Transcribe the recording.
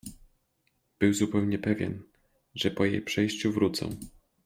Był zupełnie pewien, że po jej przejściu wrócą.